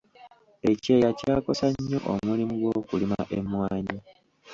Ekyeya kyakosa nnyo omulimu gw’okulima emmwanyi.